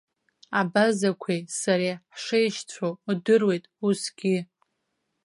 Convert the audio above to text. Абазақәеи сареи ҳшеишьцәоу удыруеит усгьы?